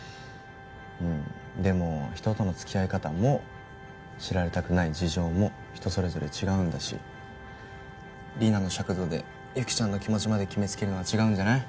うんでも人とのつきあい方も知られたくない事情も人それぞれ違うんだしリナの尺度で雪ちゃんの気持ちまで決めつけるのは違うんじゃない？